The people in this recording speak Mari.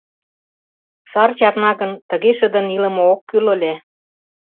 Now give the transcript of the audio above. Сар чарна гын, тыге шыдын илыме ок кӱл ыле.